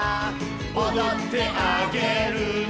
「おどってあげるね」